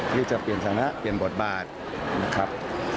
ที่จะเปลี่ยนสถานะเปลี่ยนบทบาทนะครับ